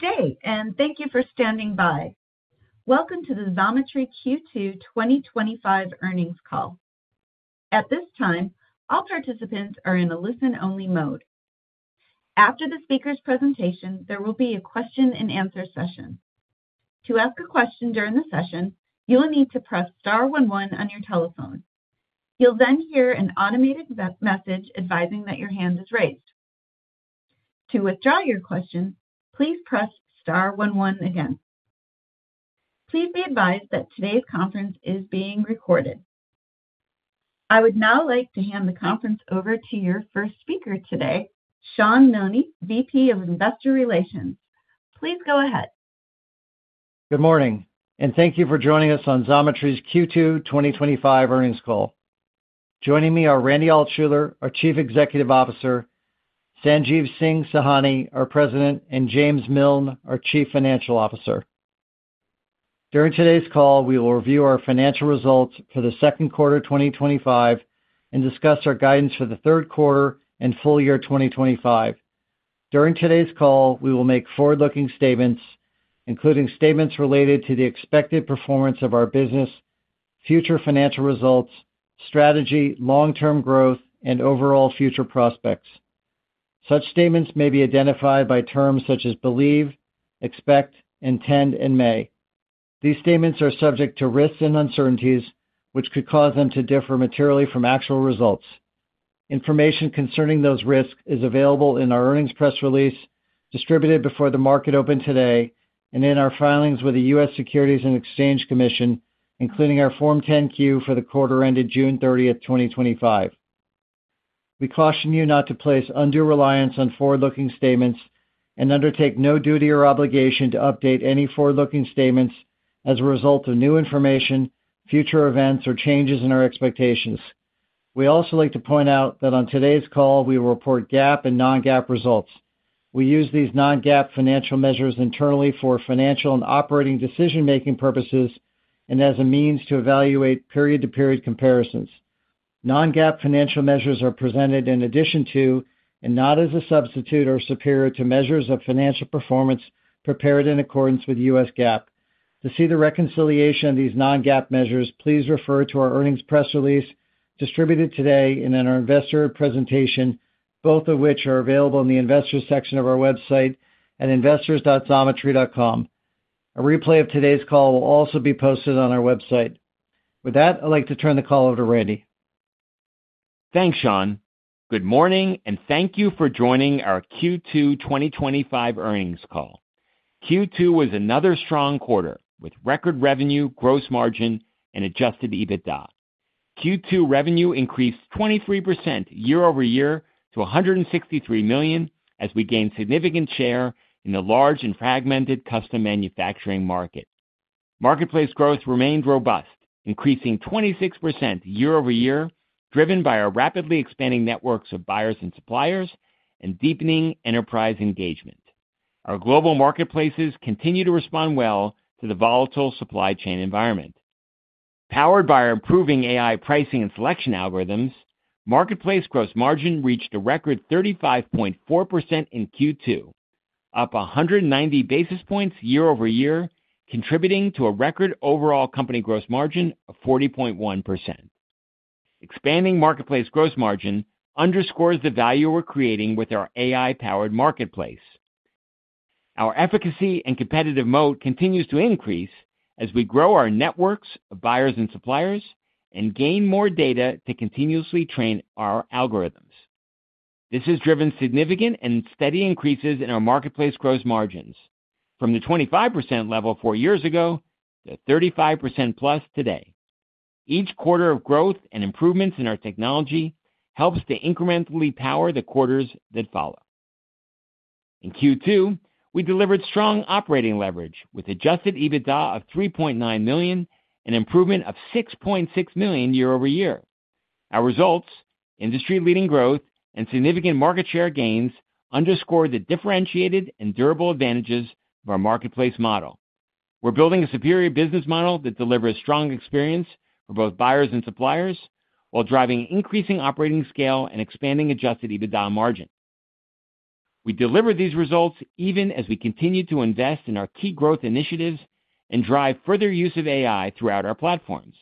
Okay, and thank you for standing by. Welcome to the Xometry Q2 2025 Earnings Call. At this time, all participants are in a listen-only mode. After the speaker's presentation, there will be a question-and-answer session. To ask a question during the session, you will need to press star one one on your telephone. You'll then hear an automated message advising that your hand is raised. To withdraw your question, please press star one one again. Please be advised that today's conference is being recorded. I would now like to hand the conference over to your first speaker today, Shawn Milne, Vice President of Investor Relations. Please go ahead. Good morning, and thank you for joining us on Xometry's Q2 2025 Earnings Call. Joining me are Randy Altschuler, our Chief Executive Officer, Sanjeev Singh Sahni, our President, and James Miln, our Chief Financial Officer. During today's call, we will review our financial results for the second quarter 2025 and discuss our guidance for the third quarter and full year 2025. During today's call, we will make forward-looking statements, including statements related to the expected performance of our business, future financial results, strategy, long-term growth, and overall future prospects. Such statements may be identified by terms such as believe, expect, intend, and may. These statements are subject to risks and uncertainties, which could cause them to differ materially from actual results. Information concerning those risks is available in our earnings press release, distributed before the market open today, and in our filings with the U.S. Securities and Exchange Commission, including our Form 10-Q for the quarter ended June 30th, 2025. We caution you not to place undue reliance on forward-looking statements and undertake no duty or obligation to update any forward-looking statements as a result of new information, future events, or changes in our expectations. We also like to point out that on today's call, we will report GAAP and non-GAAP results. We use these non-GAAP financial measures internally for financial and operating decision-making purposes and as a means to evaluate period-to-period comparisons. Non-GAAP financial measures are presented in addition to and not as a substitute or superior to measures of financial performance prepared in accordance with U.S. GAAP. To see the reconciliation of these non-GAAP measures, please refer to our earnings press release distributed today and in our investor presentation, both of which are available in the investors section of our website at investors.xometry.com. A replay of today's call will also be posted on our website. With that, I'd like to turn the call over to Randy. Thanks, Shawn. Good morning and thank you for joining our Q2 2025 Earnings Call. Q2 was another strong quarter with record revenue, gross margin, and adjusted EBITDA. Q2 revenue increased 23% year-over-year to $163 million as we gained significant share in the large and fragmented custom manufacturing market. Marketplace growth remained robust, increasing 26% year-over-year, driven by our rapidly expanding networks of buyers and suppliers and deepening enterprise engagement. Our global marketplaces continue to respond well to the volatile supply chain environment. Powered by our improving AI pricing and selection algorithms, marketplace gross margin reached a record 35.4% in Q2, up 190 basis points year-over-year, contributing to a record overall company gross margin of 40.1%. Expanding marketplace gross margin underscores the value we're creating with our AI-powered marketplace. Our efficacy and competitive moat continues to increase as we grow our networks of buyers and suppliers and gain more data to continuously train our algorithms. This has driven significant and steady increases in our marketplace gross margins from the 25% level four years ago to 35%+ today. Each quarter of growth and improvements in our technology helps to incrementally power the quarters that follow. In Q2, we delivered strong operating leverage with adjusted EBITDA of $3.9 million, an improvement of $6.6 million year-over-year. Our results, industry-leading growth, and significant market share gains underscore the differentiated and durable advantages of our marketplace model. We're building a superior business model that delivers strong experience for both buyers and suppliers while driving increasing operating scale and expanding adjusted EBITDA margin. We deliver these results even as we continue to invest in our key growth initiatives and drive further use of AI throughout our platforms.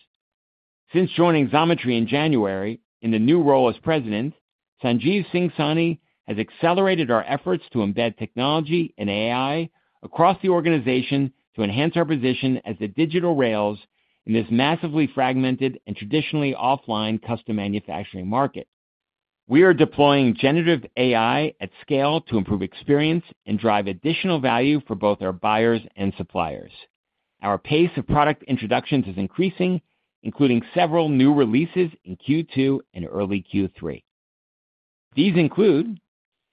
Since joining Xometry in January, in the new role as President, Sanjeev Singh Sahni has accelerated our efforts to embed technology and AI across the organization to enhance our position as the digital rails in this massively fragmented and traditionally offline custom manufacturing market. We are deploying generative AI at scale to improve experience and drive additional value for both our buyers and suppliers. Our pace of product introductions is increasing, including several new releases in Q2 and early Q3. These include: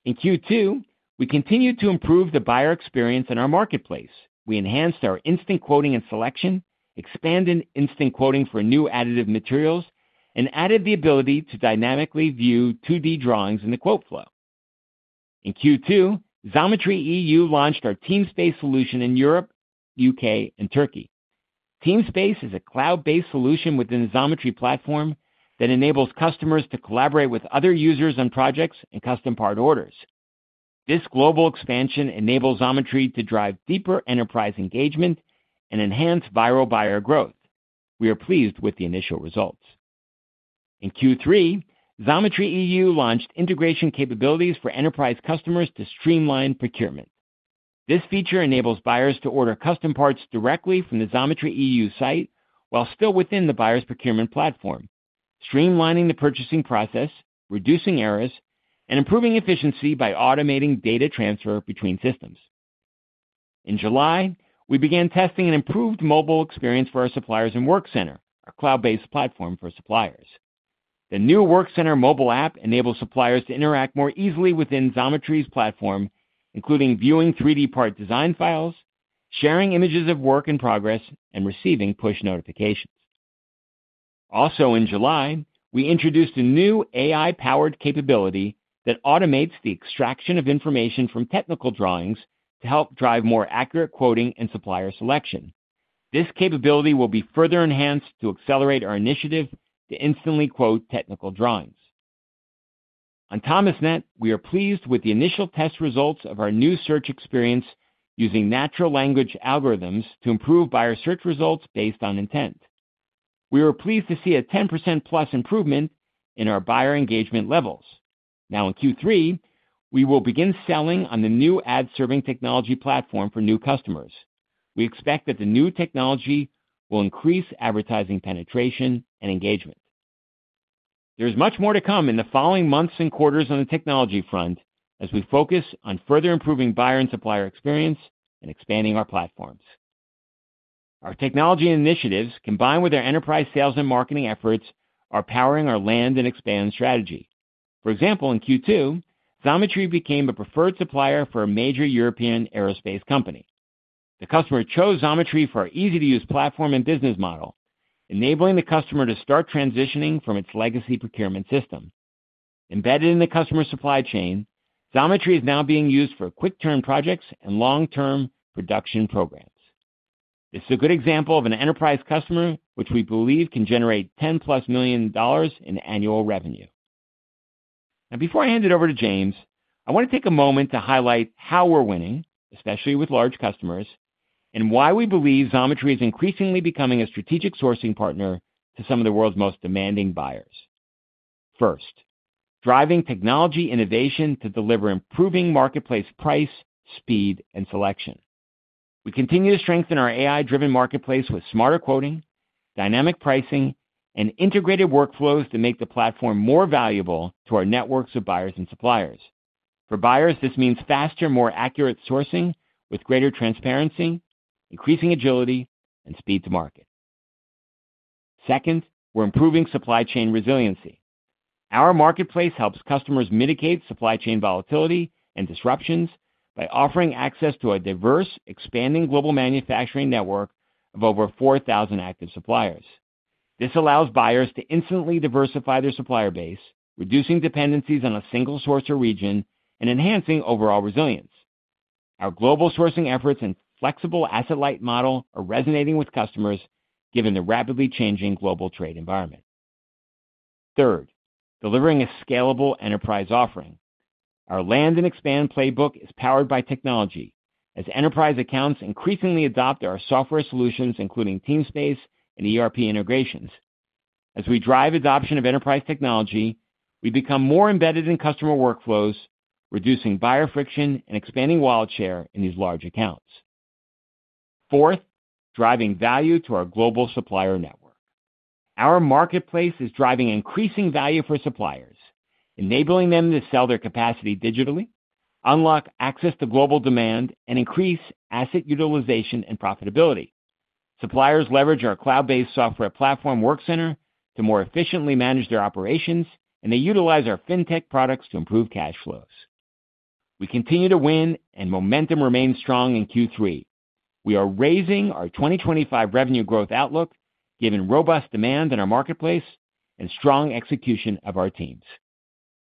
In Q2, we continue to improve the buyer experience in our marketplace. We enhanced our instant quoting and selection, expanded instant quoting for new additive materials, and added the ability to dynamically view 2D drawings in the quote flow. In Q2, Xometry EU launched our Teamspace solution in Europe, U.K., and Turkey. Teamspace is a cloud-based solution within the Xometry platform that enables customers to collaborate with other users on projects and custom part orders. This global expansion enables Xometry to drive deeper enterprise engagement and enhance viral buyer growth. We are pleased with the initial results. In Q3, Xometry EU launched integration capabilities for enterprise customers to streamline procurement. This feature enables buyers to order custom parts directly from the Xometry EU site while still within the buyer's procurement platform, streamlining the purchasing process, reducing errors, and improving efficiency by automating data transfer between systems. In July, we began testing an improved mobile experience for our suppliers in Workcenter, our cloud-based platform for suppliers. The new Workcenter mobile app enables suppliers to interact more easily within Xometry's platform, including viewing 3D part design files, sharing images of work in progress, and receiving push notifications. Also, in July, we introduced a new AI-powered capability that automates the extraction of information from technical drawings to help drive more accurate quoting and supplier selection. This capability will be further enhanced to accelerate our initiative to instantly quote technical drawings. On CommerceNet, we are pleased with the initial test results of our new search experience using natural language algorithms to improve buyer search results based on intent. We were pleased to see a 10%+ improvement in our buyer engagement levels. Now, in Q3, we will begin selling on the new ad-serving technology platform for new customers. We expect that the new technology will increase advertising penetration and engagement. There is much more to come in the following months and quarters on the technology front as we focus on further improving buyer and supplier experience and expanding our platforms. Our technology initiatives, combined with our enterprise sales and marketing efforts, are powering our land and expand strategy. For example, in Q2, Xometry became a preferred supplier for a major European aerospace company. The customer chose Xometry for our easy-to-use platform and business model, enabling the customer to start transitioning from its legacy procurement system. Embedded in the customer supply chain, Xometry is now being used for quick-term projects and long-term production programs. This is a good example of an enterprise customer which we believe can generate $10+ million in annual revenue. Now, before I hand it over to James, I want to take a moment to highlight how we're winning, especially with large customers, and why we believe Xometry is increasingly becoming a strategic sourcing partner to some of the world's most demanding buyers. First, driving technology innovation to deliver improving marketplace price, speed, and selection. We continue to strengthen our AI-driven marketplace with smarter quoting, dynamic pricing, and integrated workflows to make the platform more valuable to our networks of buyers and suppliers. For buyers, this means faster, more accurate sourcing with greater transparency, increasing agility, and speed to market. Second, we're improving supply chain resiliency. Our marketplace helps customers mitigate supply chain volatility and disruptions by offering access to a diverse, expanding global manufacturing network of over 4,000 active suppliers. This allows buyers to instantly diversify their supplier base, reducing dependencies on a single source or region, and enhancing overall resilience. Our global sourcing efforts and flexible asset light model are resonating with customers given the rapidly changing global trade environment. Third, delivering a scalable enterprise offering. Our land and expand playbook is powered by technology as enterprise accounts increasingly adopt our software solutions, including Teamspace and ERP integrations. As we drive adoption of enterprise technology, we become more embedded in customer workflows, reducing buyer friction and expanding wallet share in these large accounts. Fourth, driving value to our global supplier network. Our marketplace is driving increasing value for suppliers, enabling them to sell their capacity digitally, unlock access to global demand, and increase asset utilization and profitability. Suppliers leverage our cloud-based software platform, Workcenter, to more efficiently manage their operations, and they utilize our fintech products to improve cash flows. We continue to win, and momentum remains strong in Q3. We are raising our 2025 revenue growth outlook, given robust demand in our marketplace and strong execution of our teams.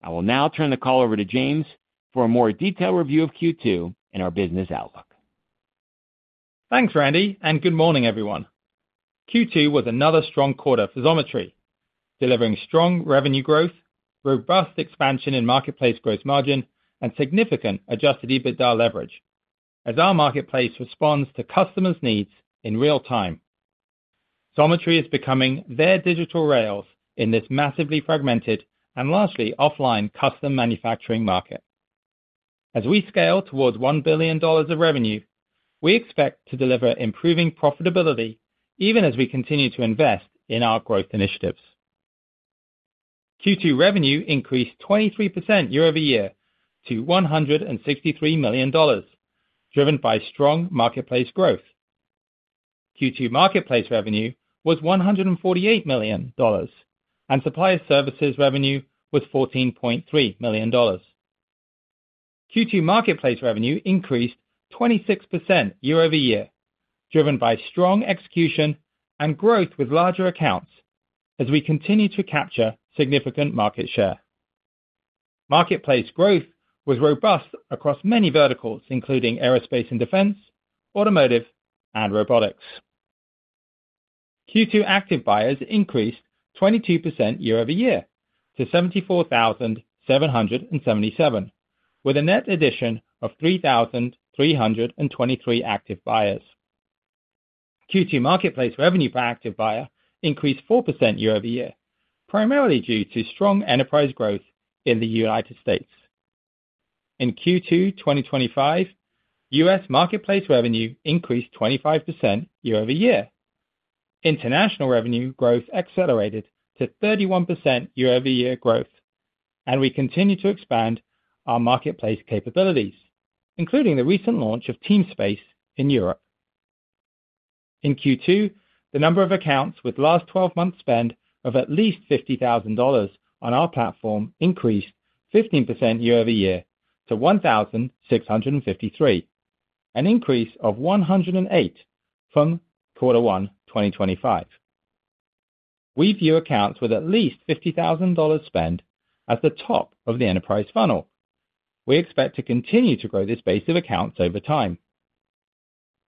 I will now turn the call over to James for a more detailed review of Q2 and our business outlook. Thanks, Randy, and good morning, everyone. Q2 was another strong quarter for Xometry, delivering strong revenue growth, robust expansion in marketplace gross margin, and significant adjusted EBITDA leverage as our marketplace responds to customers' needs in real time. Xometry is becoming their digital rails in this massively fragmented and largely offline custom manufacturing market. As we scale towards $1 billion of revenue, we expect to deliver improving profitability even as we continue to invest in our growth initiatives. Q2 revenue increased 23% year-over-year to $163 million, driven by strong marketplace growth. Q2 marketplace revenue was $148 million, and supplier services revenue was $14.3 million. Q2 marketplace revenue increased 26% year-over-year, driven by strong execution and growth with larger accounts as we continue to capture significant market share. Marketplace growth was robust across many verticals, including aerospace and defense, automotive, and robotics. Q2 active buyers increased 22% year-over-year to 74,777 with a net addition of 3,323 active buyers. Q2 marketplace revenue per active buyer increased 4% year-over-year, primarily due to strong enterprise growth in the United States. In Q2 2025, U.S. marketplace revenue increased 25% year-over-year. International revenue growth accelerated to 31% year-over-year growth, and we continue to expand our marketplace capabilities, including the recent launch of Teamspace in Europe. In Q2, the number of accounts with last 12 months' spend of at least $50,000 on our platform increased 15% year-over-year to 1,653, an increase of 108 from Q1 2025. We view accounts with at least $50,000 spend as the top of the enterprise funnel. We expect to continue to grow this base of accounts over time.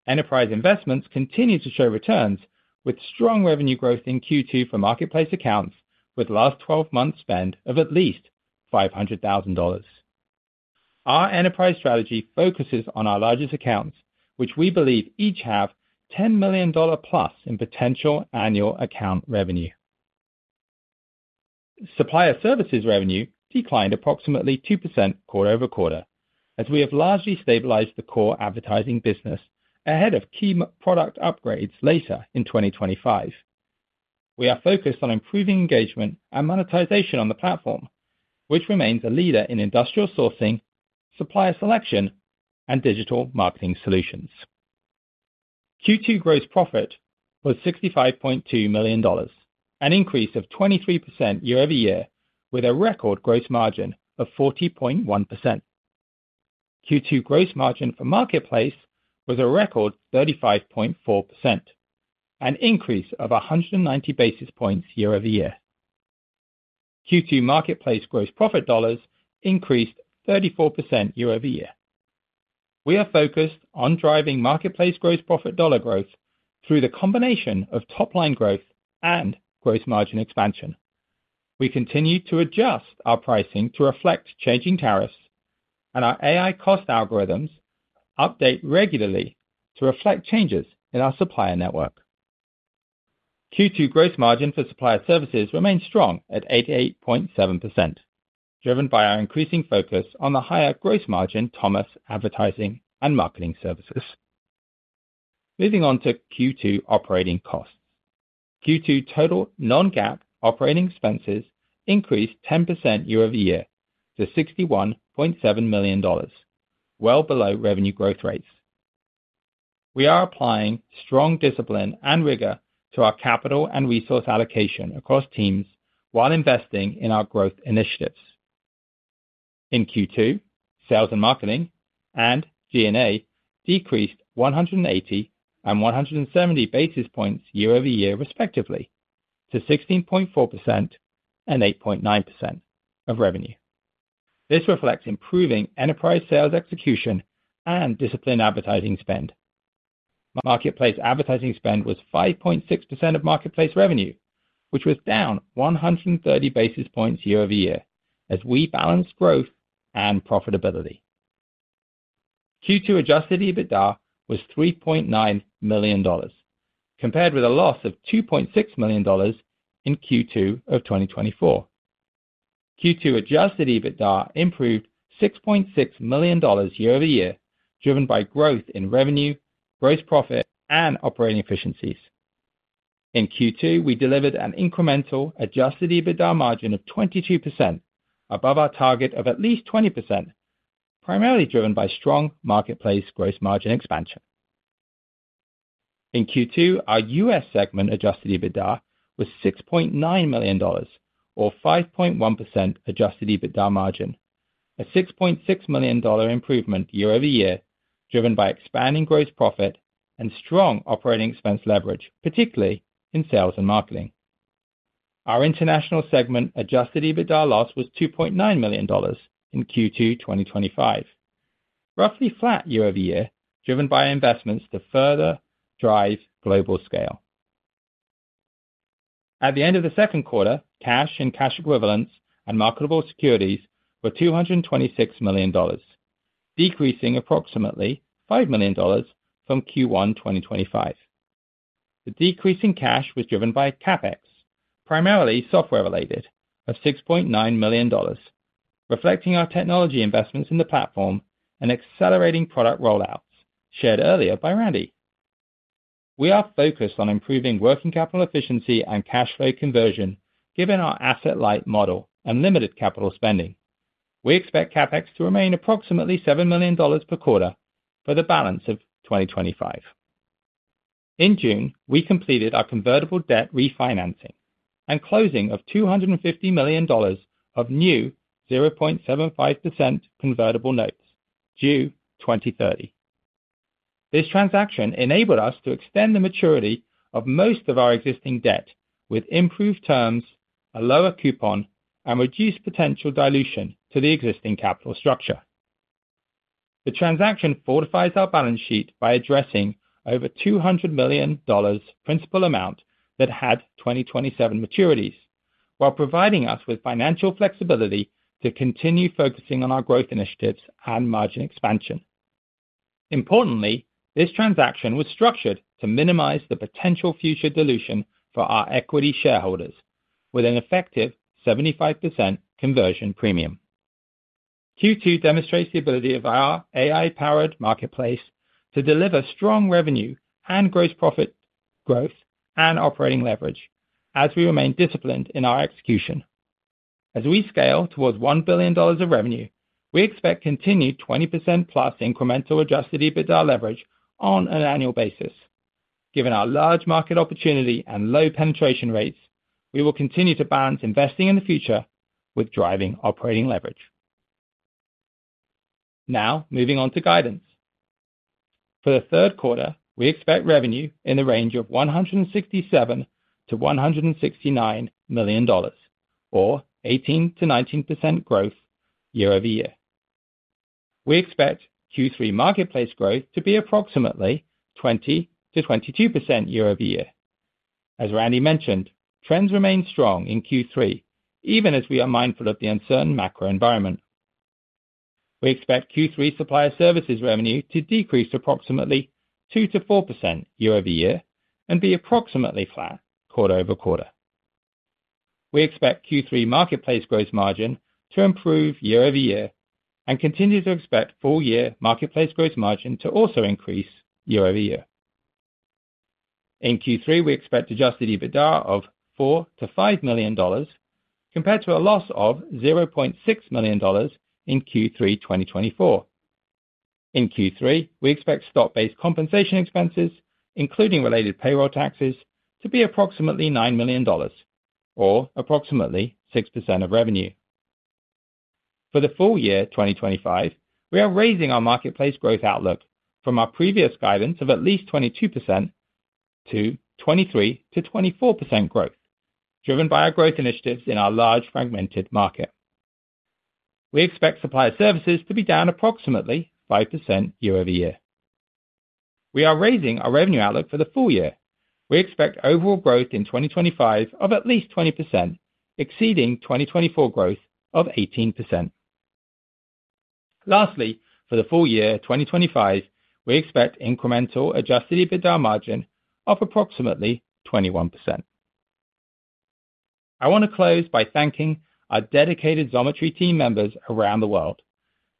Enterprise investments continue to show returns with strong revenue growth in Q2 for marketplace accounts with last 12 months' spend of at least $500,000. Our enterprise strategy focuses on our largest accounts, which we believe each have $10 million plus in potential annual account revenue. Supplier services revenue declined approximately 2% quarter-over-quarter as we have largely stabilized the core advertising business ahead of key product upgrades later in 2025. We are focused on improving engagement and monetization on the platform, which remains a leader in industrial sourcing, supplier selection, and digital marketing solutions. Q2 gross profit was $65.2 million, an increase of 23% year-over-year with a record gross margin of 40.1%. Q2 gross margin for marketplace was a record 35.4%, an increase of 190 basis points year-over-year. Q2 marketplace gross profit dollars increased 34% year-over-year. We are focused on driving marketplace gross profit dollar growth through the combination of top-line growth and gross margin expansion. We continue to adjust our pricing to reflect changing tariffs, and our AI cost algorithms update regularly to reflect changes in our supplier network. Q2 gross margin for supplier services remains strong at 88.7%, driven by our increasing focus on the higher gross margin Thomas advertising and marketing services. Moving on to Q2 operating costs. Q2 total non-GAAP operating expenses increased 10% year-over-year to $61.7 million, well below revenue growth rates. We are applying strong discipline and rigor to our capital and resource allocation across teams while investing in our growth initiatives. In Q2, sales and marketing and G&A decreased 180 basis points-170 basis points year-over-year, respectively, to 16.4% and 8.9% of revenue. This reflects improving enterprise sales execution and discipline advertising spend. Marketplace advertising spend was 5.6% of marketplace revenue, which was down 130 basis points year-over-year as we balanced growth and profitability. Q2 adjusted EBITDA was $3.9 million, compared with a loss of $2.6 million in Q2 of 2024. Q2 adjusted EBITDA improved $6.6 million year-over-year, driven by growth in revenue, gross profit, and operating efficiencies. In Q2, we delivered an incremental adjusted EBITDA margin of 22%, above our target of at least 20%, primarily driven by strong marketplace gross margin expansion. In Q2, our U.S. segment adjusted EBITDA was $6.9 million, or 5.1% adjusted EBITDA margin, a $6.6 million improvement year-over-year, driven by expanding gross profit and strong operating expense leverage, particularly in sales and marketing. Our international segment adjusted EBITDA loss was $2.9 million in Q2 2025, roughly flat year-over-year, driven by investments to further drive global scale. At the end of the second quarter, cash and cash equivalents and marketable securities were $226 million, decreasing approximately $5 million from Q1 2025. The decrease in cash was driven by CapEx, primarily software-related, of $6.9 million, reflecting our technology investments in the platform and accelerating product rollouts shared earlier by Randy. We are focused on improving working capital efficiency and cash flow conversion, given our asset-light model and limited capital spending. We expect CapEx to remain approximately $7 million per quarter for the balance of 2025. In June, we completed our convertible debt refinancing and closing of $250 million of new 0.75% convertible notes due 2030. This transaction enabled us to extend the maturity of most of our existing debt with improved terms, a lower coupon, and reduced potential dilution to the existing capital structure. The transaction fortifies our balance sheet by addressing over $200 million principal amount that had 2027 maturities, while providing us with financial flexibility to continue focusing on our growth initiatives and margin expansion. Importantly, this transaction was structured to minimize the potential future dilution for our equity shareholders with an effective 75% conversion premium. Q2 demonstrates the ability of our AI-powered marketplace to deliver strong revenue and gross profit growth and operating leverage as we remain disciplined in our execution. As we scale towards $1 billion of revenue, we expect continued 20%+ incremental adjusted EBITDA leverage on an annual basis. Given our large market opportunity and low penetration rates, we will continue to balance investing in the future with driving operating leverage. Now, moving on to guidance. For the third quarter, we expect revenue in the range of $167 million-$169 million, or 18%-19% growth year-over-year. We expect Q3 marketplace growth to be approximately 20%-22% year-over-year. As Randy mentioned, trends remain strong in Q3, even as we are mindful of the uncertain macro environment. We expect Q3 supplier services revenue to decrease approximately 2%-4% year-over-year and be approximately flat quarter-over-quarter. We expect Q3 marketplace gross margin to improve year-over-year and continue to expect full-year marketplace gross margin to also increase year-over-year. In Q3, we expect adjusted EBITDA of $4 million-$5 million compared to a loss of $0.6 million in Q3 2024. In Q3, we expect stock-based compensation expenses, including related payroll taxes, to be approximately $9 million, or approximately 6% of revenue. For the full year 2025, we are raising our marketplace growth outlook from our previous guidance of at least 22%-23%-24% growth, driven by our growth initiatives in our large fragmented market. We expect supplier services to be down approximately 5% year-over-year. We are raising our revenue outlook for the full year. We expect overall growth in 2025 of at least 20%, exceeding 2024 growth of 18%. Lastly, for the full year 2025, we expect incremental adjusted EBITDA margin of approximately 21%. I want to close by thanking our dedicated Xometry team members around the world.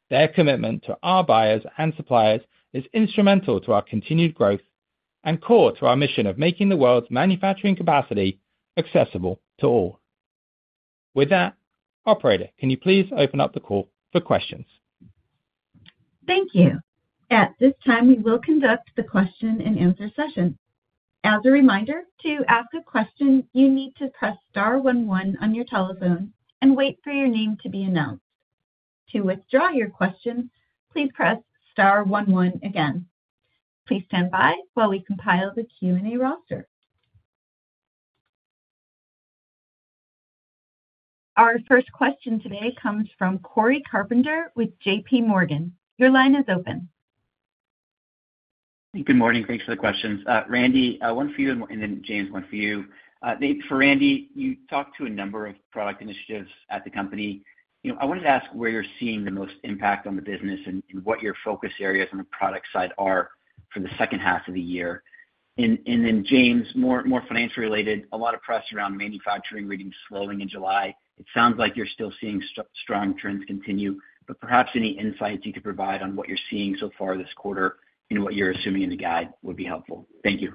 Their commitment to our buyers and suppliers is instrumental to our continued growth and core to our mission of making the world's manufacturing capacity accessible to all. With that, operator, can you please open up the call for questions? Thank you. At this time, we will conduct the question-and-answer session. As a reminder, to ask a question, you need to press star one one on your telephone and wait for your name to be announced. To withdraw your question, please press star one one again. Please stand by while we compile the Q&A roster. Our first question today comes from Corey Carpenter with JPMorgan. Your line is open. Good morning. Thanks for the questions. Randy, one for you and then James, one for you. For Randy, you talked to a number of product initiatives at the company. I wanted to ask where you're seeing the most impact on the business and what your focus areas on the product side are for the second half of the year. James, more financially related, a lot of press around manufacturing rating slowing in July. It sounds like you're still seeing strong trends continue, but perhaps any insights you could provide on what you're seeing so far this quarter and what you're assuming in the guide would be helpful. Thank you.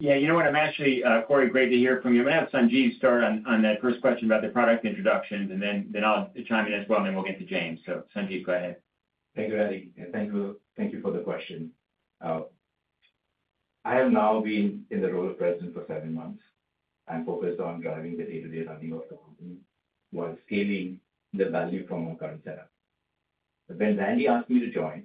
Yeah, you know what? I'm actually, Corey, great to hear from you. I'll have Sanjeev start on that first question about the product introductions, and then I'll chime in as well, and then we'll get to James. Sanjeev, go ahead. Thank you, Randy. Thank you for the question. I have now been in the role of President for seven months and focused on driving the day-to-day running of the company while scaling the value from our current setup. When Randy asked me to join,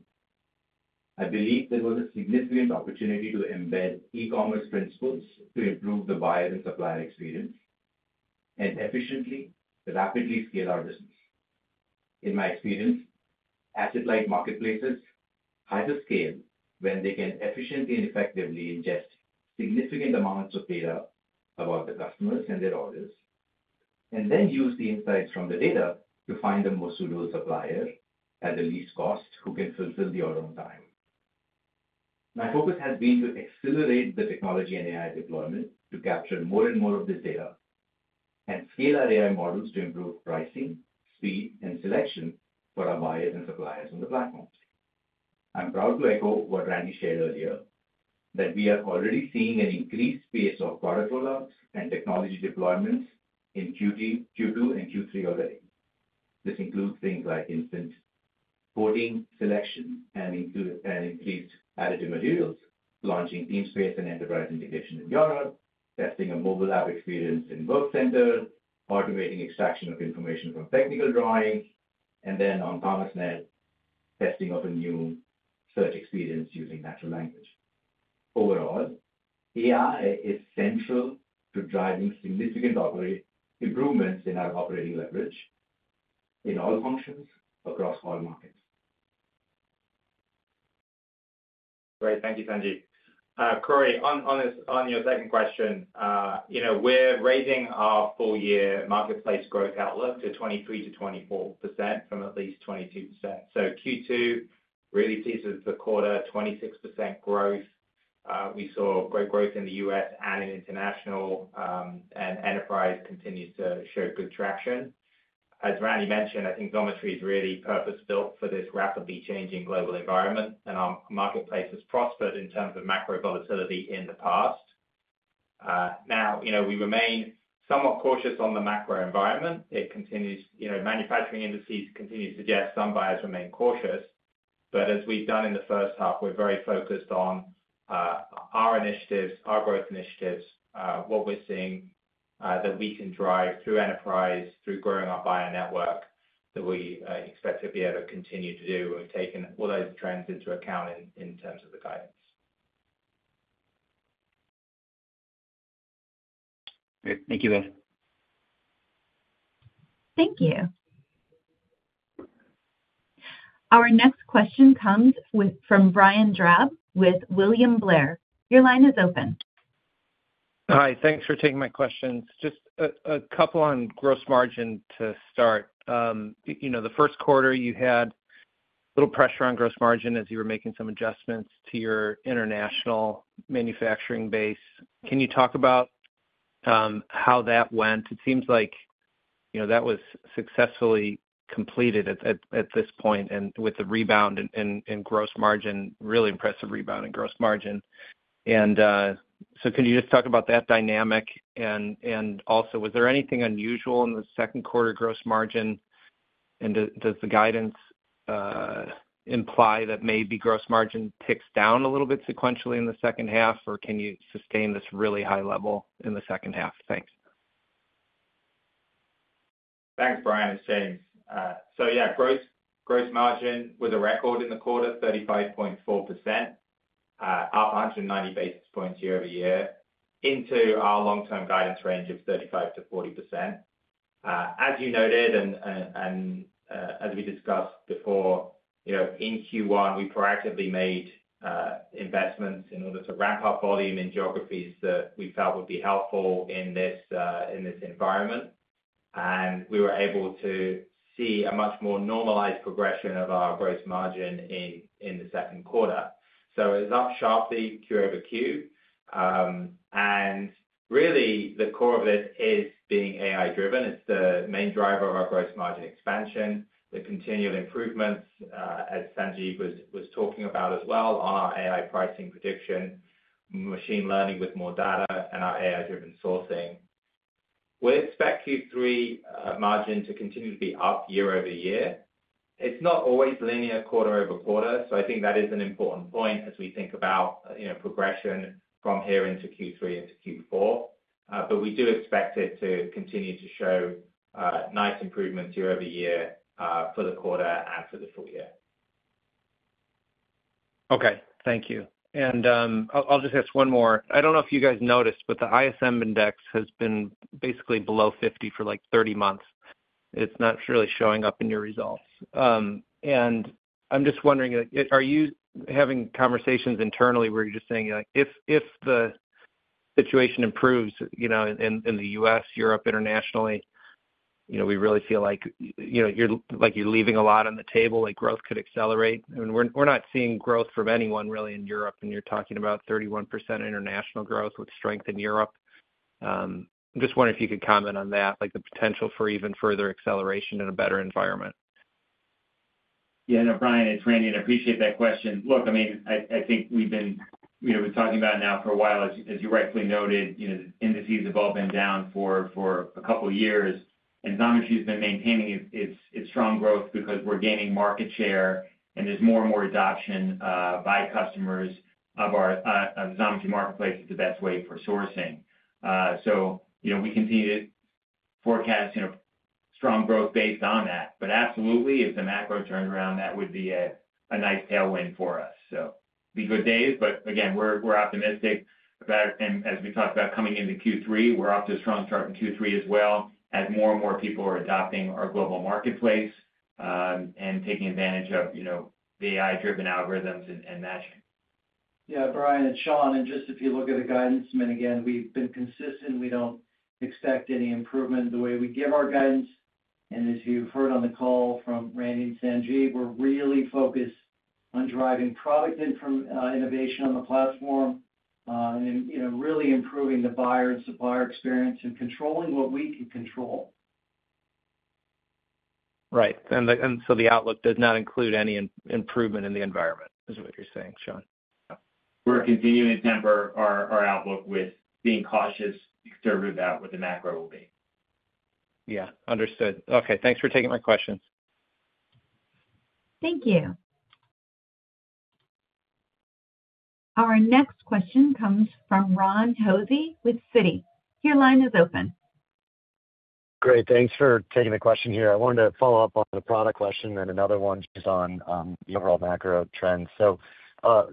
I believe there was a significant opportunity to embed e-commerce principles to improve the buyer and supplier experience and efficiently rapidly scale our business. In my experience, asset-like marketplaces are at a scale where they can efficiently and effectively ingest significant amounts of data about the customers and their orders and then use the insights from the data to find the most suitable supplier at the least cost who can fulfill the order on time. My focus has been to accelerate the technology and AI deployment to capture more and more of this data and scale our AI models to improve pricing, speed, and selection for our buyers and suppliers on the platform. I'm proud to echo what Randy shared earlier, that we are already seeing an increased pace of product rollouts and technology deployments in Q2 and Q3 already. This includes things like instant quoting selection and increased additive materials, launching Teamspace and enterprise integration in Europe, testing a mobile app experience in Workcenter, automating extraction of information from technical drawings, and then on product land, testing of a new search experience using natural language. Overall, AI is central to driving significant improvements in our operating leverage in all functions across all markets. Great. Thank you, Sanjeev. Corey, on your second question, we're raising our full-year marketplace growth outlook to 23%-24% from at least 22%. Q2 really teases the quarter 26% growth. We saw great growth in the U.S. and in international, and enterprise continues to show good traction. As Randy mentioned, I think Xometry is really purpose-built for this rapidly changing global environment, and our marketplace has prospered in terms of macro volatility in the past. We remain somewhat cautious on the macro environment. It continues, manufacturing indices continue to suggest some buyers remain cautious, but as we've done in the first half, we're very focused on our initiatives, our growth initiatives, what we're seeing that we can drive through enterprise, through growing our buyer network that we expect to be able to continue to do, taking all those trends into account in terms of the guidance. Thank you both. Thank you. Our next question comes from Brian Drab with William Blair. Your line is open. Hi. Thanks for taking my questions. Just a couple on gross margin to start. In the first quarter you had a little pressure on gross margin as you were making some adjustments to your international manufacturing base. Can you talk about how that went? It seems like that was successfully completed at this point with the rebound in gross margin, really impressive rebound in gross margin. Can you just talk about that dynamic? Was there anything unusual in the second quarter gross margin? Does the guidance imply that maybe gross margin ticks down a little bit sequentially in the second half, or can you sustain this really high level in the second half? Thanks. Thanks, Brian, it's James. Gross margin was a record in the quarter, 35.4%, up 190 basis points year-over-year into our long-term guidance range of 35%-40%. As you noted and as we discussed before, in Q1, we proactively made investments in order to ramp up volume in geographies that we felt would be helpful in this environment. We were able to see a much more normalized progression of our gross margin in the second quarter. It was up sharply quarter-over-quarter. The core of this is being AI-driven. It's the main driver of our gross margin expansion, the continual improvements, as Sanjeev was talking about as well, on our AI pricing prediction, machine learning with more data, and our AI-driven sourcing. We expect Q3 margin to continue to be up year-over-year. It's not always linear quarter-over-quarter, so I think that is an important point as we think about progression from here into Q3 and Q4. We do expect it to continue to show nice improvements year-over-year for the quarter and for the full year. Thank you. I'll just ask one more. I don't know if you guys noticed, but the ISM index has been basically below 50 for like 30 months. It's not really showing up in your results. I'm just wondering, are you having conversations internally where you're just saying if the situation improves in the U.S., Europe, internationally, you know we really feel like you're leaving a lot on the table, like growth could accelerate. I mean, we're not seeing growth from anyone really in Europe, and you're talking about 31% international growth with strength in Europe. I'm just wondering if you could comment on that, like the potential for even further acceleration in a better environment. Yeah, no, Brian, it's Randy. I appreciate that question. Look, I mean, I think we've been talking about it now for a while. As you rightfully noted, the indices have all been down for a couple of years. Xometry has been maintaining its strong growth because we're gaining market share, and there's more and more adoption by customers of our Xometry marketplace as the best way for sourcing. We continue to forecast strong growth based on that. If the macro turns around, that would be a nice tailwind for us. It'd be good days, but again, we're optimistic. As we talked about coming into Q3, we're off to a strong start in Q3 as well, as more and more people are adopting our global marketplace and taking advantage of the AI-driven algorithms and that. Yeah, Brian, it's Shawn, if you look at the guidance, we've been consistent. We don't expect any improvement in the way we give our guidance. As you heard on the call from Randy and Sanjeev, we're really focused on driving product innovation on the platform and really improving the buyer and supplier experience and controlling what we can control. Right. The outlook does not include any improvement in the environment, is what you're saying, Shawn. We're continuing to temper our outlook with being cautious to root out what the macro will be. Yeah, understood. OK, thanks for taking my questions. Thank you. Our next question comes from Ron Josey with Citi. Your line is open. Great. Thanks for taking the question here. I wanted to follow up on the product question and then another one just on the overall macro trends.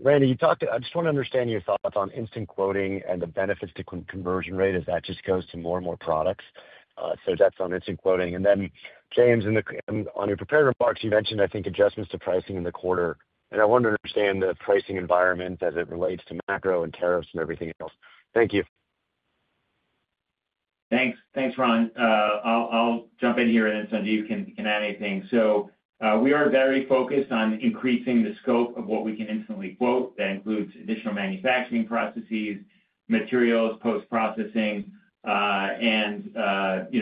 Randy, you talked, I just want to understand your thoughts on instant quoting and the benefits to conversion rate as that just goes to more and more products. That's on instant quoting. James, in your prepared remarks, you mentioned, I think, adjustments to pricing in the quarter. I want to understand the pricing environment as it relates to macro and tariffs and everything else. Thank you. Thanks, Ron. I'll jump in here and then Sanjeev can add anything. We are very focused on increasing the scope of what we can instantly quote. That includes additional manufacturing processes, materials, post-processing. You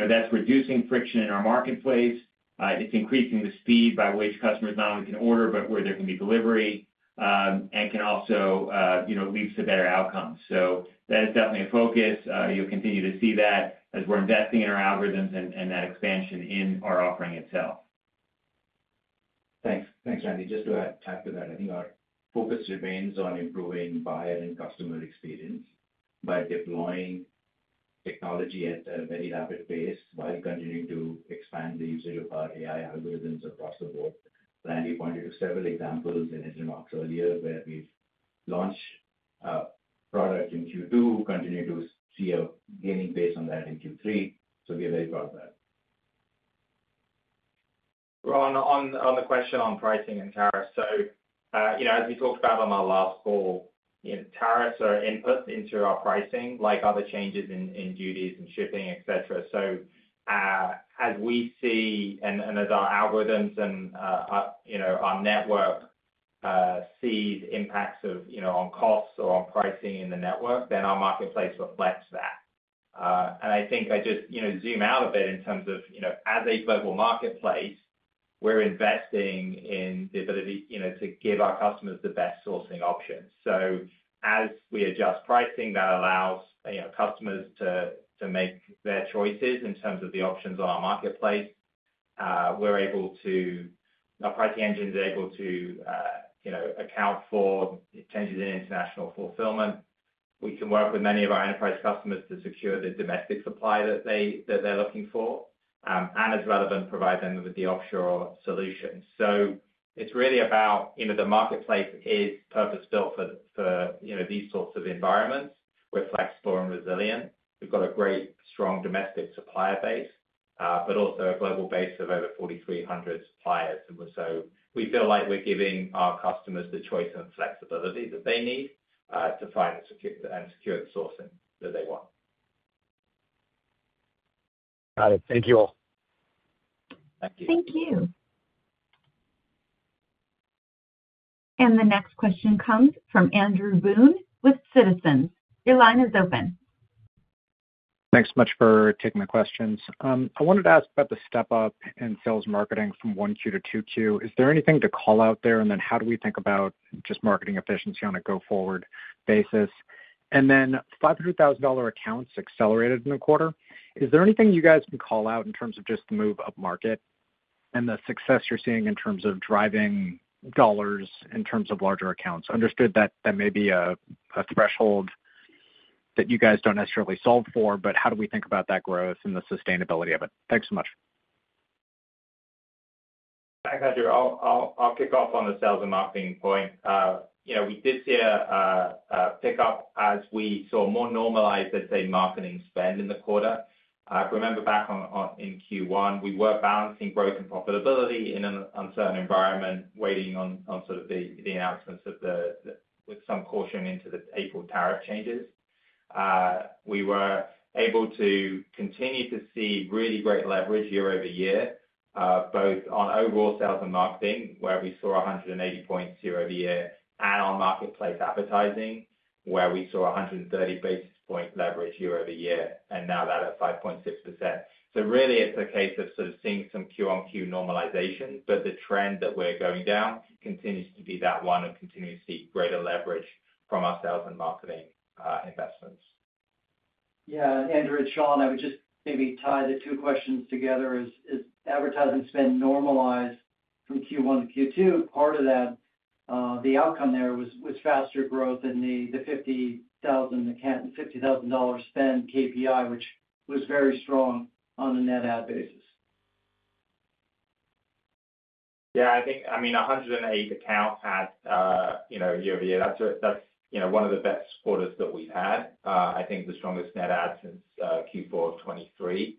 know that's reducing friction in our marketplace. It's increasing the speed by which customers not only can order, but where they can get delivery and can also lead to better outcomes. That is definitely a focus. You'll continue to see that as we're investing in our algorithms and that expansion in our offering itself. Thanks, thanks, Randy. Just to add to that, I think our focus remains on improving buyer and customer experience by deploying technology at a very rapid pace while continuing to expand the use of our AI algorithms across the board. Randy pointed to several examples in his remarks earlier where we've launched products in Q2 and continue to see a gaining pace on that in Q3. We're very proud of that. Ron, on the question on pricing and tariffs, as we talked about on our last call, tariffs are inputs into our pricing, like other changes in duties and shipping, etc. As we see and as our algorithms and our network see impacts on costs or on pricing in the network, our marketplace reflects that. I think if I zoom out a bit in terms of, as a global marketplace, we're investing in the ability to give our customers the best sourcing option. As we adjust pricing, that allows customers to make their choices in terms of the options on our marketplace. Our pricing engine is able to account for changes in international fulfillment. We can work with many of our enterprise customers to secure the domestic supply that they're looking for and, as relevant, provide them with the offshore solutions. It is really about the marketplace being purpose-built for these sorts of environments. We're flexible and resilient. We've got a great, strong domestic supplier base, but also a global base of over 4,300 suppliers. We feel like we're giving our customers the choice and flexibility that they need to find and secure the sourcing that they want. Got it. Thank you all. Thank you. The next question comes from Andrew Boone with Citizen. Your line is open. Thanks so much for taking the questions. I wanted to ask about the step up in sales marketing from 1Q to 2Q. Is there anything to call out there? How do we think about just marketing efficiency on a go-forward basis? $500,000 accounts accelerated in the quarter. Is there anything you guys can call out in terms of just the move up market and the success you're seeing in terms of driving dollars in terms of larger accounts? Understood that that may be a threshold that you guys don't necessarily solve for, but how do we think about that growth and the sustainability of it? Thanks so much. Thanks, Andrew. I'll kick off on the sales and marketing point. We did see a pickup as we saw more normalized, let's say, marketing spend in the quarter. I remember back in Q1, we were balancing growth and profitability in an uncertain environment, waiting on sort of the announcements with some caution into the April tariff changes. We were able to continue to see really great leverage year-over-year, both on overall sales and marketing, where we saw 180 points year-over-year, and on marketplace advertising, where we saw 130 basis point leverage year-over-year, and now that at 5.6%. It's a case of sort of seeing some Q1 normalization, but the trend that we're going down continues to be that one of continuously greater leverage from our sales and marketing investments. Yeah, Andrew and Shawn, I would just maybe tie the two questions together. As advertising spend normalized from Q1 to Q2, part of that, the outcome there was faster growth than the $50,000 spend KPI, which was very strong on a net ad basis. Yeah, I think, I mean, 180 accounts year-over-year, that's one of the best quarters that we've had. I think the strongest net add since Q4 of 2023.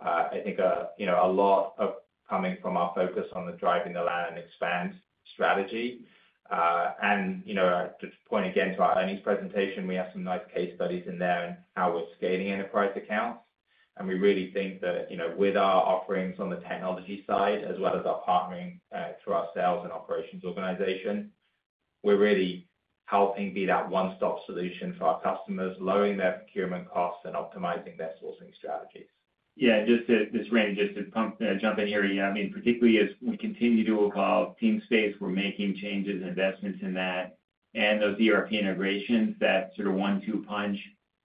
I think a lot of it is coming from our focus on driving the land and expand strategy. You know, to point again to our earnings presentation, we have some nice case studies in there on how we're scaling enterprise accounts. We really think that with our offerings on the technology side, as well as our partnering through our sales and operations organization, we're really helping be that one-stop solution for our customers, lowering their procurement costs and optimizing their sourcing strategy. Yeah, just to jump in here, particularly as we continue to evolve Teamspace, we're making changes and investments in that. Those ERP integrations, that sort of one-two punch,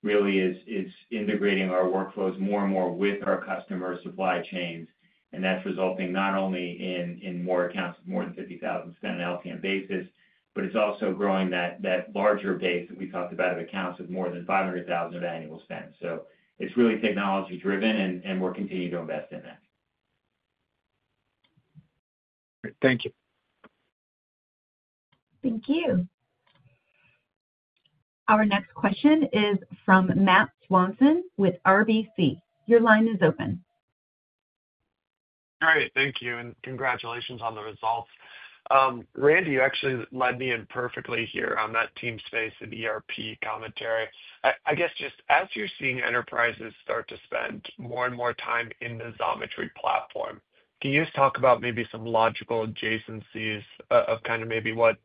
really is integrating our workflows more and more with our customer supply chains. That's resulting not only in more accounts with more than $50,000 spend on an LPN basis, but it's also growing that larger base that we talked about of accounts with more than $500,000 of annual spend. It's really technology-driven, and we'll continue to invest in that. Great. Thank you. Thank you. Our next question is from Matt Swanson with RBC. Your line is open. All right. Thank you. Congratulations on the results. Randy, you actually led me in perfectly here on that Teamspace and ERP commentary. I guess just as you're seeing enterprises start to spend more and more time in the Xometry platform, can you talk about maybe some logical adjacencies of kind of maybe what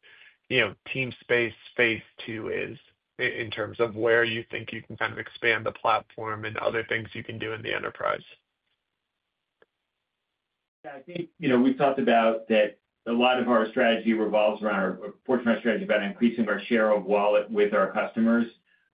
Teamspace phase two is in terms of where you think you can kind of expand the platform and other things you can do in the enterprise? Yeah, I think you know we talked about that a lot of our strategy revolves around, or a portion of our strategy about increasing our share of wallet with our customers.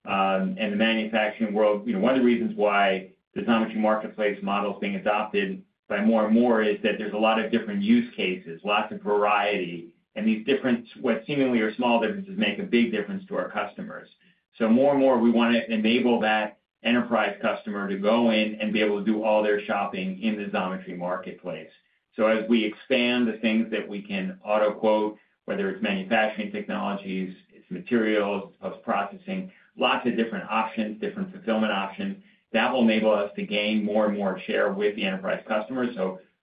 In the manufacturing world, you know one of the reasons why the Xometry marketplace model is being adopted by more and more is that there's a lot of different use cases, lots of variety. These differences, what seemingly are small differences, make a big difference to our customers. More and more, we want to enable that enterprise customer to go in and be able to do all their shopping in the Xometry marketplace. As we expand the things that we can auto quote, whether it's manufacturing technologies, it's materials, post-processing, lots of different options, different fulfillment options, that will enable us to gain more and more share with the enterprise customers.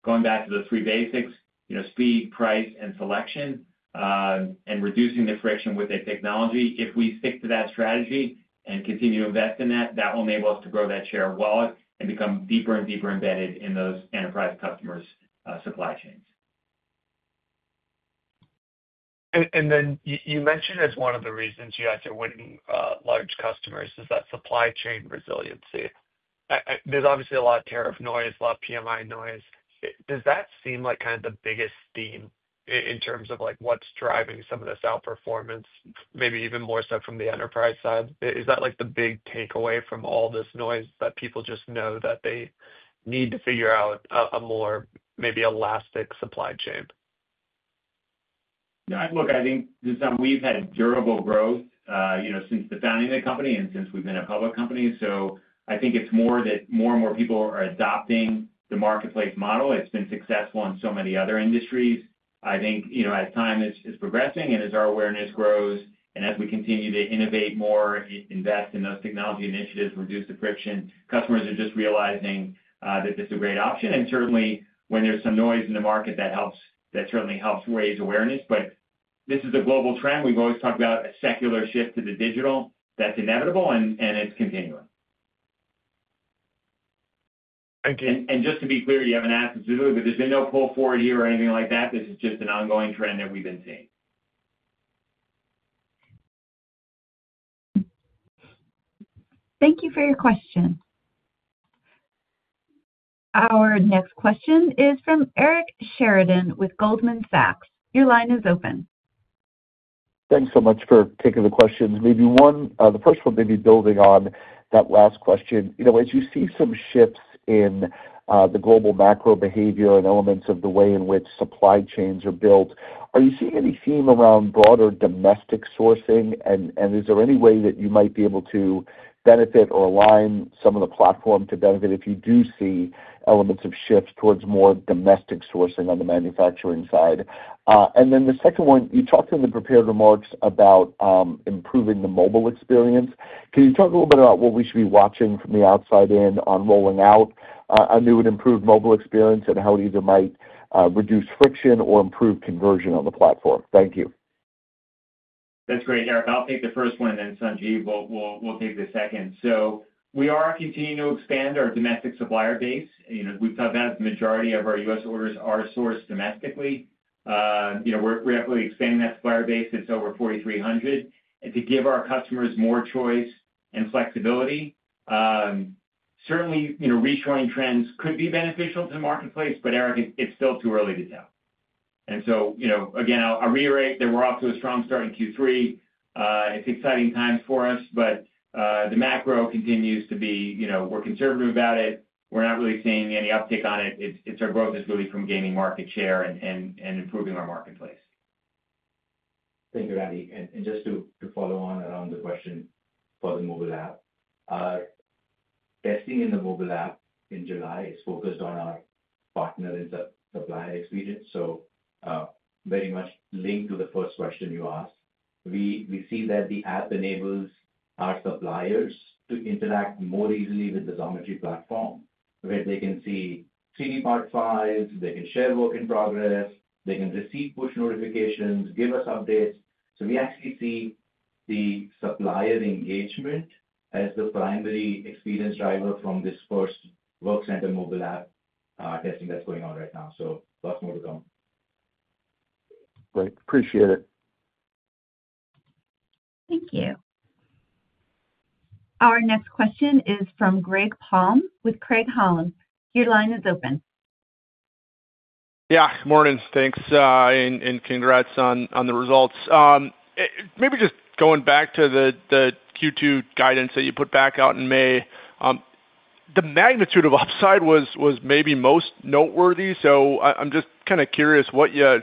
Going back to those three basics, you know speed, price, and selection, and reducing the friction with that technology, if we stick to that strategy and continue to invest in that, that will enable us to grow that share of wallet and become deeper and deeper embedded in those enterprise customers' supply chains. You mentioned as one of the reasons you had to win large customers is that supply chain resiliency. There's obviously a lot of tariff noise, a lot of PMI noise. Does that seem like kind of the biggest theme in terms of what's driving some of this outperformance, maybe even more so from the enterprise side? Is that the big takeaway from all this noise that people just know that they need to figure out a more maybe elastic supply chain? Yeah, I think just that we've had durable growth since the founding of the company and since we've been a public company. I think it's more that more and more people are adopting the marketplace model. It's been successful in so many other industries. I think as time is progressing and as our awareness grows and as we continue to innovate more, invest in those technology initiatives, reduce the friction, customers are just realizing that this is a great option. Certainly, when there's some noise in the market, that helps. That certainly helps raise awareness. This is a global trend. We've always talked about a secular shift to the digital. That's inevitable, and it's continuing. Thank you. To be clear, you haven't asked specifically, but there's been no quote for a year or anything like that. This is just an ongoing trend that we've been seeing. Thank you for your question. Our next question is from Eric Sheridan with Goldman Sachs. Your line is open. Thanks so much for taking the questions. Maybe one, the first one may be building on that last question. As you see some shifts in the global macro behavior and elements of the way in which supply chains are built, are you seeing any theme around broader domestic sourcing? Is there any way that you might be able to benefit or align some of the platform to benefit if you do see elements of shifts towards more domestic sourcing on the manufacturing side? The second one, you talked in the prepared remarks about improving the mobile experience. Can you talk a little bit about what we should be watching from the outside in on rolling out a new and improved mobile experience and how it either might reduce friction or improve conversion on the platform? Thank you. That's great, Eric. I'll take the first one, and Sanjeev will take the second. We are continuing to expand our domestic supplier base. We saw that the majority of our U.S. orders are sourced domestically. We're definitely expanding that supplier base. It's over 4,300. To give our customers more choice and flexibility, certainly, you know, rejoin trends could be beneficial to the marketplace, but, Eric, it's still too early to tell. I'll reiterate that we're off to a strong start in Q3. It's exciting times for us, but the macro continues to be, you know, we're conservative about it. We're not really seeing any uptick on it. Our growth is really from gaining market share and improving our marketplace. Thank you, Randy. Just to follow on around the question for the mobile app, testing in the mobile app in July is focused on our partners' supplier experience. It is very much linked to the first question you asked. We see that the app enables our suppliers to interact more easily with the Xometry platform, where they can see 3D mod files, they can share work in progress, they can receive push notifications, give us updates. We actually see the supplier engagement as the primary experience driver from this first Workcenter mobile app testing that's going on right now. Lots more to come. Great. Appreciate it. Thank you. Our next question is from Greg Palm with Craig-Hallum. Your line is open. Good morning. Thanks, and congrats on the results. Maybe just going back to the Q2 guidance that you put back out in May, the magnitude of upside was maybe most noteworthy. I'm just kind of curious what you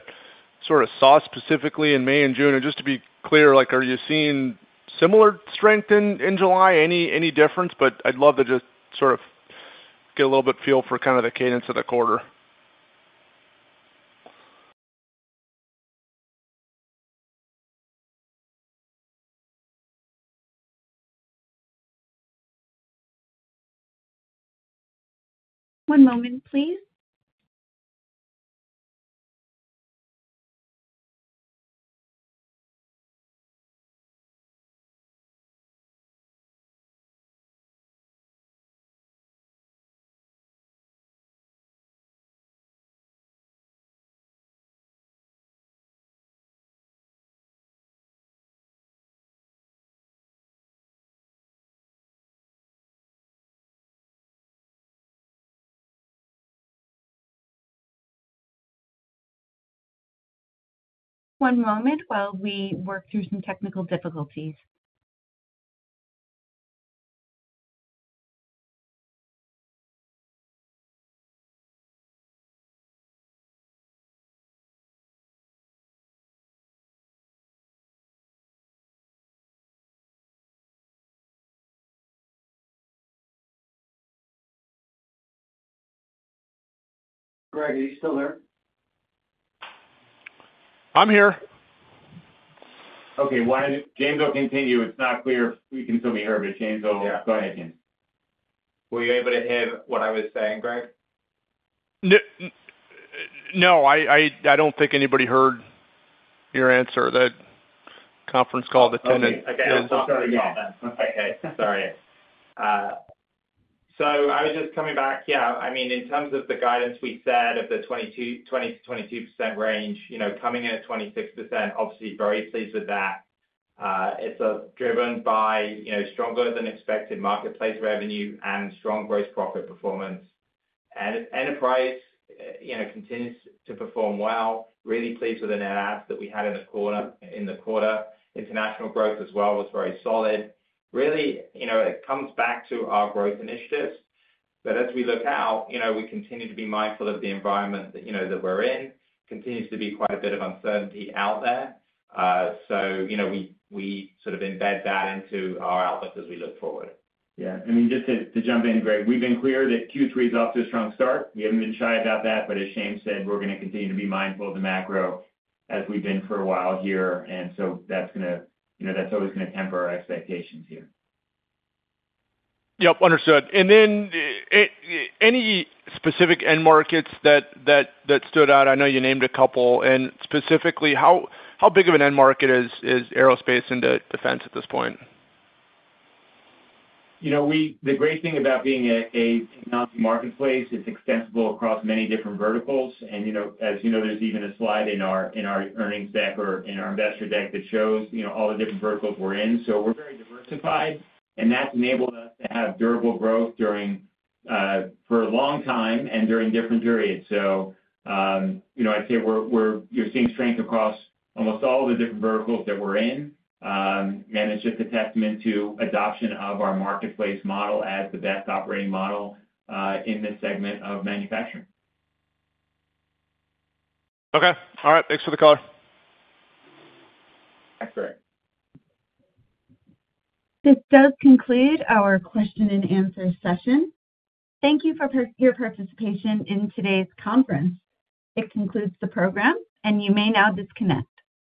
sort of saw specifically in May and June. Just to be clear, are you seeing similar strength in July? Any difference? I'd love to just sort of get a little bit of feel for the cadence of the quarter. One moment, please. One moment while we work through some technical difficulties. Randy, are you still there? I'm here. Okay. Why did James Miln continue? It's not clear if we can still be heard here. James, yeah, go ahead, James. Were you able to hear what I was saying, Greg? No, I don't think anybody heard your answer to that conference call that didn't. I'm sorry. Yeah. Sorry. I was just coming back. In terms of the guidance we said of the 20%-22% range, coming in at 26%, obviously very pleased with that. It's driven by stronger-than-expected marketplace revenue and strong gross profit performance. Enterprise continues to perform well. Really pleased with the net ads that we had in the quarter. International growth as well was very solid. It comes back to our growth initiatives. As we look out, we continue to be mindful of the environment that we're in. Continues to be quite a bit of uncertainty out there. We sort of embed that into our outlook as we look forward. Just to jump in, Greg, we've been clear that Q3 is off to a strong start. We haven't been shy about that. As James said, we're going to continue to be mindful of the macro as we've been for a while here. That's always going to temper our expectations here. Understood. Any specific end markets that stood out? I know you named a couple. Specifically, how big of an end market is aerospace into defense at this point? You know, we. The great thing about being a technology marketplace, it's extensible across many different verticals. As you know, there's even a slide in our earnings deck or in our investor deck that shows all the different verticals we're in. We're very diversified, and that's enabled us to have durable growth for a long time and during different periods. I'd say we're seeing strength across almost all the different verticals that we're in. It's just a testament to adoption of our marketplace model as the best operating model in this segment of manufacturing. Okay. All right. Thanks for the call. This does conclude our question-and-answer session. Thank you for your participation in today's conference. It concludes the program, and you may now disconnect.